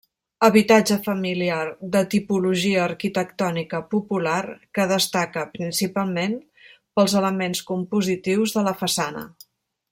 Habitatge familiar de tipologia arquitectònica popular que destaca, principalment, pels elements compositius de la façana.